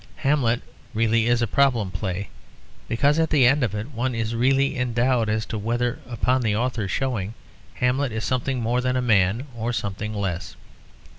Hamlet really is a problem play because at the end of it one is really in doubt as to whether upon the author's showing Hamlet is something more than a man or something less.